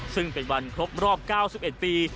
ซึ่งเป็นวันครบรอบ๙๑ปี